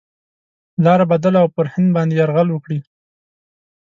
لاره بدله او پر هند باندي یرغل وکړي.